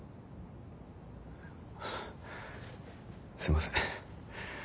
すいません。